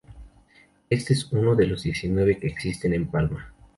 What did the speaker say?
Este es uno de los diecinueve que existen en Palma.